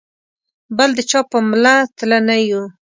بل د چا په مله تله نه یو.